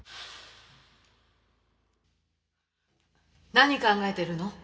何考えてるの？